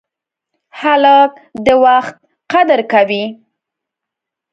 هلک د وخت قدر کوي.